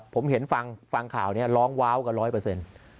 ผมเห็นฟังข่าวนี้ร้องว้าวกัน๑๐๐